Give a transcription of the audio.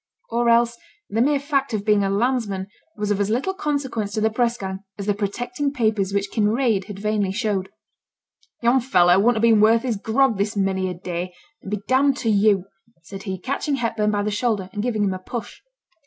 Or else the mere fact of being a landsman was of as little consequence to the press gang, as the protecting papers which Kinraid had vainly showed. 'Yon fellow wouldn't have been worth his grog this many a day, and be d d to you,' said he, catching Hepburn by the shoulder, and giving him a push.